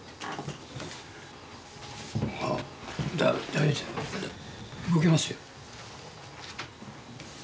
大丈夫動けますよ。